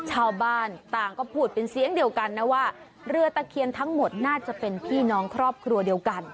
ชาวบ้านต่างก็พูดเป็นเสียงเดียวกันนะว่าเรือตะเคียนทั้งหมดน่าจะเป็นพี่น้องครอบครัวเดียวกัน